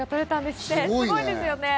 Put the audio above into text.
すごいですね。